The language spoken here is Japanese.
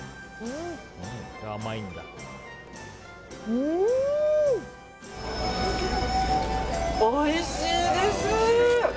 うん、おいしいです。